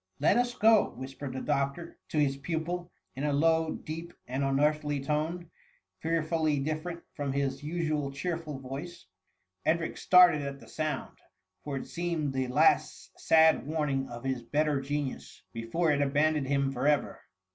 " Let us go,'' whispered the doctor to his pupil, in a low, deep, and unearthly tone, fear fully different from his usually cheerful voice, Edric started at the sound, for it seemed the last sad warning of his better genius, before it VOL, I. L 318 THE Mvianr. abandoned him for ever.